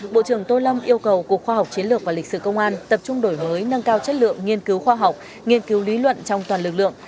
bộ trưởng tô lâm yêu cầu cục khoa học chiến lược và lịch sử công an tập trung đổi mới nâng cao chất lượng nghiên cứu khoa học nghiên cứu lý luận trong toàn lực lượng